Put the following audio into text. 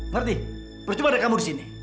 ngerti percuma ada kamu di sini